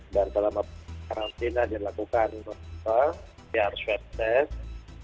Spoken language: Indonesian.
dan dalam karantina dilakukan proses pr swab test